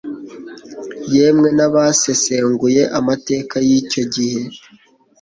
yemwe n'abasesenguye amateka y'icyo gihe